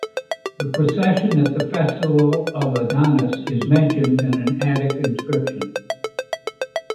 The procession at the festival of Adonis is mentioned in an Attic inscription.